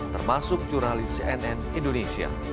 termasuk jurnalis cnn indonesia